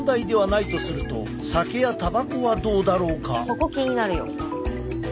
そこ気になるよ。